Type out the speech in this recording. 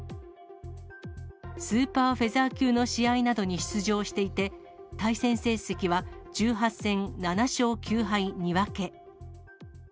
スーパーフェザー級の試合などに出場していて、対戦成績は１８戦７勝９敗２分け。